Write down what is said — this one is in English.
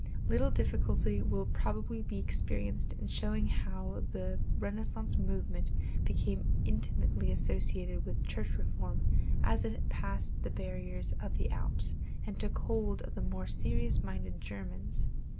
Little difficulty will probably be experienced in showing how the Renaissance movement became intimately associated with church reform as it passed the barriers of the Alps and took hold of the more serious minded Germans.